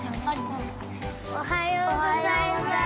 おはようございます。